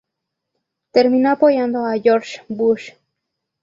Terminó apoyando a George W. Bush.